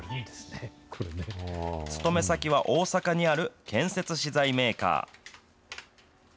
勤め先は大阪にある建設資材メーカー。